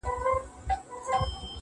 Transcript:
گراني خبري سوې د وخت ملكې .